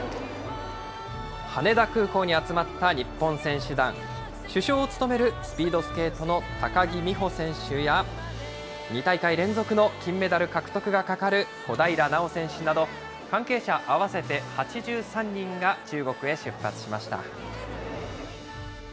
羽田空港に集まった日本選手団、主将を務めるスピードスケートの高木美帆選手や、２大会連続の金メダル獲得がかかる小平奈緒選手など、関係者合わせて８３人が中国へ出発しました。